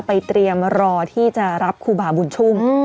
เตรียมรอที่จะรับครูบาบุญชุ่ม